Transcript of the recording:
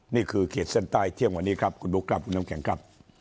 เขตเส้นใต้เที่ยงวันนี้ครับคุณบุ๊คครับคุณน้ำแข็งครับ